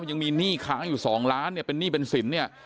ยังมีหนี้ค้างอยู่๒ล้านเนี่ยเป็นหนี้เป็นสินเนี่ย